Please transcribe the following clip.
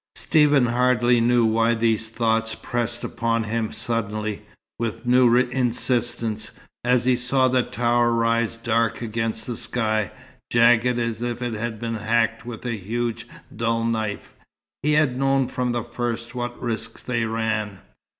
Stephen hardly knew why these thoughts pressed upon him suddenly, with new insistence, as he saw the tower rise dark against the sky, jagged as if it had been hacked with a huge, dull knife. He had known from the first what risks they ran.